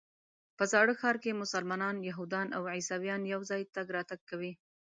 په زاړه ښار کې مسلمانان، یهودان او عیسویان یو ځای تګ راتګ کوي.